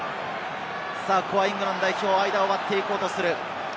ここはイングランド代表、間を割っていこうとする。